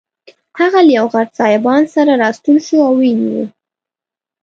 هغه له یوه غټ سایبان سره راستون شو او ویې نیو.